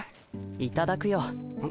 いただくよ。